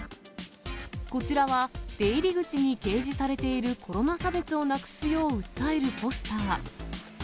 こちらは、出入り口に掲示されているコロナ差別をなくすよう訴えるポスター。